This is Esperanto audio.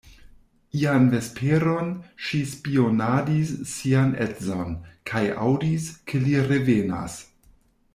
Ian vesperon ŝi spionadis sian edzon, kaj aŭdis, ke li revenas.